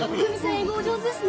英語お上手ですね。